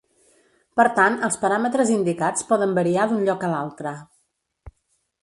Per tant els paràmetres indicats poden variar d'un lloc a l'altre.